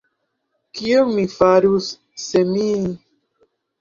Kion mi farus, se mi…